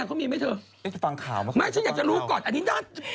ขณะตอนอยู่ในสารนั้นไม่ได้พูดคุยกับครูปรีชาเลย